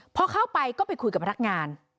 พอเข้าไปก็ไปคุยกับพนักงาน